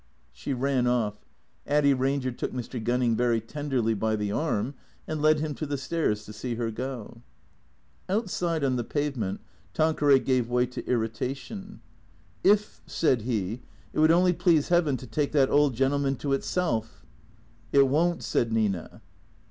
She ran off. Addy Eanger took Mr. Gunning very tenderly by the arm and led him to the stairs to see her go. Outside on the pavement Tanqueray gave way to irritation. " If," said he, " it would only please Heaven to take that old gentleman to itself." " It won't," said Nina.